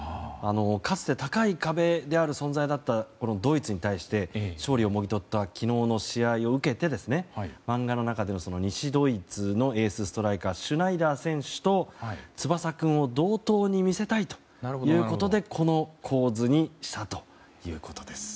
かつて高い壁である存在だったドイツに対して勝利をもぎ取った昨日の試合を受けて漫画の中での西ドイツのエースストライカーシュナイダー選手と翼君を同等に見せたいということでこの構図にしたということです。